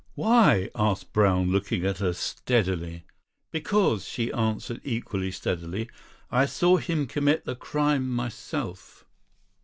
"Why?" asked Brown, looking at her steadily. "Because," she answered equally steadily, "I saw him commit the crime myself."